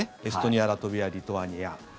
エストニア、ラトビアリトアニア。